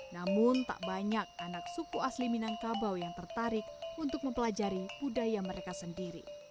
namun tak banyak anak suku asli minangkabau yang tertarik untuk mempelajari budaya mereka sendiri